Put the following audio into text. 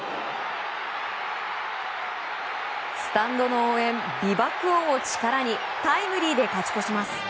スタンドの応援、美爆音を力にタイムリーで勝ち越します。